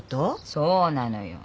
そうなのよ。